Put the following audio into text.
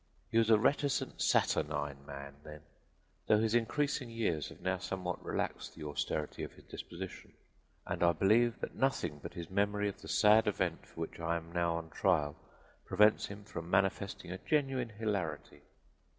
He was a reticent, saturnine man then, though his increasing years have now somewhat relaxed the austerity of his disposition, and I believe that nothing but his memory of the sad event for which I am now on trial prevents him from manifesting a genuine hilarity.